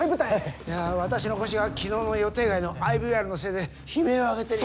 いや私の腰が昨日の予定外のＩＶＲのせいで悲鳴を上げている。